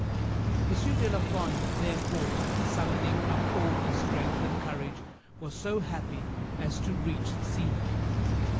M. de la Fond, therefore, summoning up all his strength and courage, was so happy as to reach the seamen.